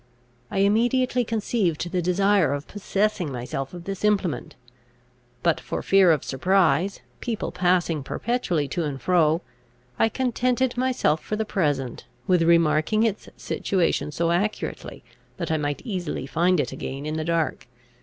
I immediately conceived the desire of possessing myself of this implement; but, for fear of surprise, people passing perpetually to and fro, I contented myself, for the present, with remarking its situation so accurately, that I might easily find it again in the dark.